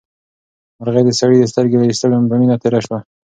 مرغۍ د سړي د سترګې له ایستلو په مینه تېره شوه.